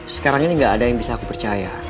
sekarang ini gak ada yang bisa aku percaya